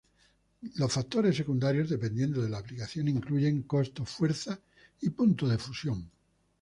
Los factores secundarios, dependiendo de la aplicación, incluyen costo, fuerza y punto de fusión.